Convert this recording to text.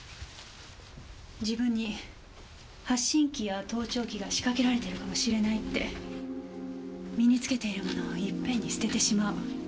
自分に発信機や盗聴器が仕掛けられてるかもしれないって身に着けているものをいっぺんに捨ててしまう。